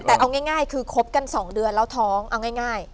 แต่เอาง่ายคือคบกัน๒เดือนแล้วท้องเอาง่าย